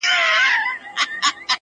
قافلې پر لويو لارو لوټېدلې؛